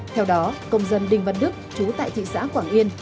theo đó công dân đinh văn đức chú tại thị xã quảng yên